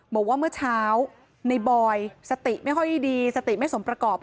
บอกว่าเมื่อเช้าในบอยสติไม่ค่อยดีสติไม่สมประกอบ